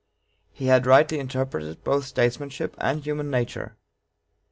He had rightly interpreted both statesmanship and human nature.